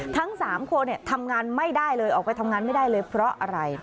ทั้ง๓คนทำงานไม่ได้เลยออกไปทำงานไม่ได้เลยเพราะอะไร